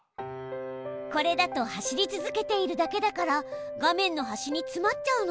これだと走り続けているだけだから画面の端につまっちゃうの。